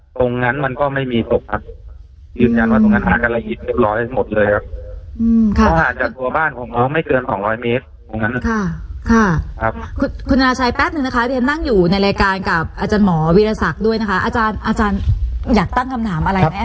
ตรงนั้นมันก็ไม่มีศพครับยืนยันว่าตรงนั้นหากระหยิบ